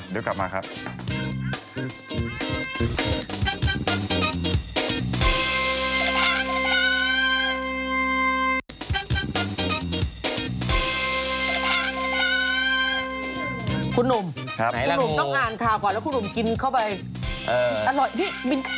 แล้วคุณหนุ่มกินเข้าไป